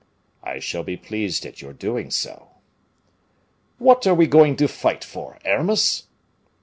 "I shall be pleased at your doing so." "What are we going to fight for, Aramis?"